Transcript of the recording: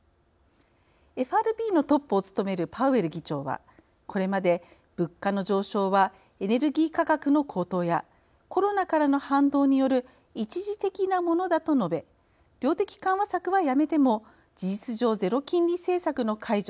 ＦＲＢのトップを務めるパウエル議長はこれまで物価の上昇はエネルギー価格の高騰やコロナからの反動による一時的なものだと述べ量的緩和策はやめても事実上ゼロ金利政策の解除